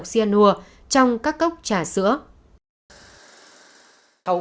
đừng cố chấp nữa